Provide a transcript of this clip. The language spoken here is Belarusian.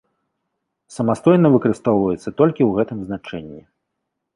Самастойна выкарыстоўваецца толькі ў гэтым значэнні.